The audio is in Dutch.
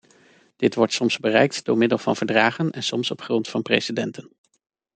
Dit wordt soms bereikt door middel van verdragen en soms op grond van precedenten.